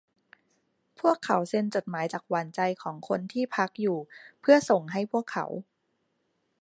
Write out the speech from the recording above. พวกเขาเซ็นจดหมายจากหวานใจของคนที่พักอยู่เพื่อส่งให้พวกเขา